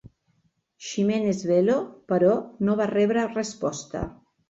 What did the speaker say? Ximenes Belo, però, no va rebre resposta.